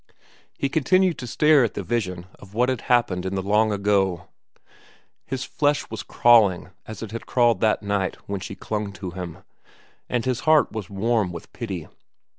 He continued to stare at the vision of what had happened in the long ago. His flesh was crawling as it had crawled that night when she clung to him, and his heart was warm with pity.